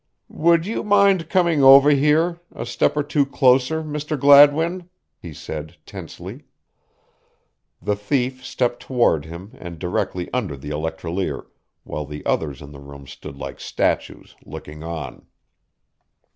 "Would you mind coming over here a step or two closer, Mr. Gladwin?" he said tensely. The thief stepped toward him and directly under the electrolier, while the others in the room stood like statues, looking on.